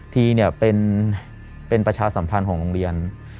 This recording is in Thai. ทีเป็นประชาสัมพันธ์ของโรงเรียน